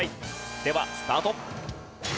ではスタート。